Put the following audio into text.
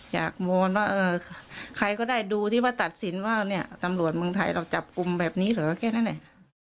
วอนว่าใครก็ได้ดูที่ว่าตัดสินว่าเนี่ยตำรวจเมืองไทยเราจับกลุ่มแบบนี้เหรอแค่นั้นเอง